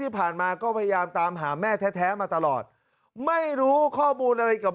ที่ผ่านมาก็พยายามตามหาแม่แท้มาตลอดไม่รู้ข้อมูลอะไรกับ